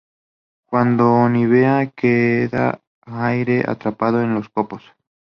Cuando nieva queda aire atrapado en los copos.